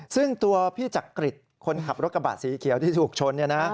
ซึ่งตัวพี่จักริตคนขับรถกระบะสีเขียวที่ถูกชน